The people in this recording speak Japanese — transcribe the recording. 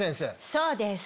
そうです